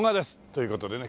という事でね